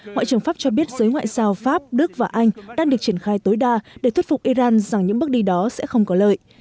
ngoại trưởng pháp cho biết giới ngoại giao pháp đức và anh đang được triển khai tối đa để thuyết phục iran rằng những bước đi đó sẽ không có lợi